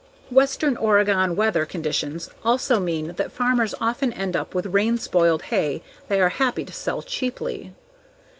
Western Oregon weather conditions also mean that farmers often end up with rain spoiled hay they are happy to sell cheaply.